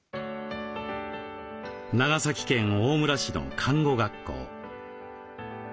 長崎県大村市の看護学校。